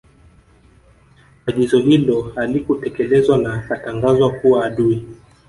Agizo hilo halikutekelezwa na Akatangazwa kuwa adui